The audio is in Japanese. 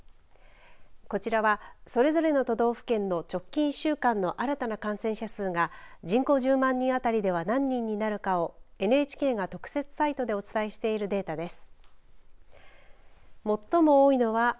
こちらは、それぞれの都道府県の直近１週間の新たな感染者数が人口１０万に当たりでは何人になるかをＮＨＫが特設サイトでお伝えしているデータです。